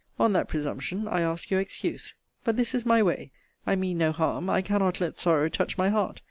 On that presumption, I ask your excuse. But this is my way. I mean no harm. I cannot let sorrow touch my heart.